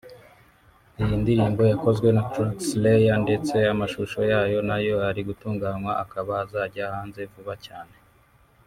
Iyi ndirimbo yakozwe na Producer Track Slayer ndetse amashusho yayo nayo ari gutunganywa akaba azajya hanze vuba cyane